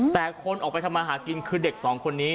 แต่คนออกไปทำมาหากินคือเด็กสองคนนี้